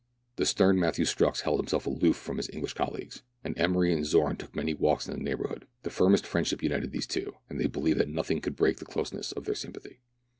The stern Matthew Strux held himself aloof from his English colleagues, and Emery and Zorn took many walks in the neighbourhood. The firmest friendship united these two, and they believed that nothing could break the closeness of their sympathy.